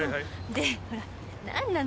でほら何なのよ